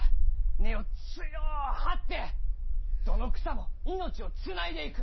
根を強う張ってどの草も命をつないでいく！